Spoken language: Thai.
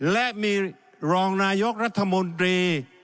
และมีรองนายกรัฐมนตรี